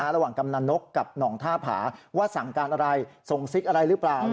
กำนันนกกับหน่องท่าผาว่าสั่งการอะไรส่งซิกอะไรหรือเปล่า